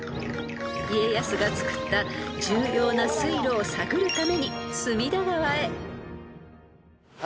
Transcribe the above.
［家康が造った重要な水路を探るために隅田川へ］